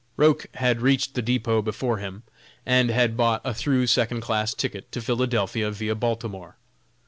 Roch had reached the depot before him, and had bought a through second class ticket to Philadelphia, via Baltimore.